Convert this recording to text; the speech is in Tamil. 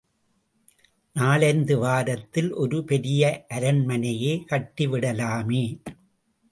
நாலைந்து வாரத்தில் ஒரு பெரிய அரண்மனையே கட்டிவிடலாமே!